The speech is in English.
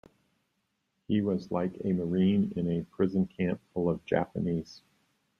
He was like a marine in a prison camp full of Japanese.